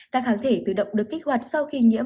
các kháng thể tự động được kích hoạt sau khi nhiễm